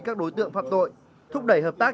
các đối tượng phạm tội thúc đẩy hợp tác